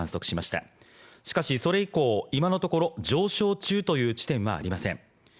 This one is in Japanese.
しかしそれ以降、今のところ上昇中という地点はありません。